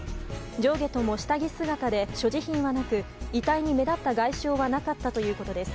上下とも下着姿で所持品はなく遺体に目立った外傷はなかったということです。